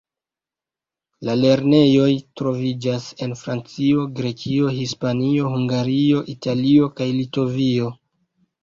La lernejoj troviĝas en Francio, Grekio, Hispanio, Hungario, Italio kaj Litovio.